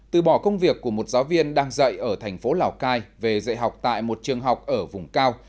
từ bỏ công việc của một giáo viên đang dạy ở thành phố lào cai về dạy học tại một trường học ở vùng cao